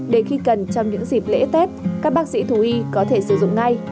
để khi cần trong những dịp lễ tết các bác sĩ thú y có thể sử dụng ngay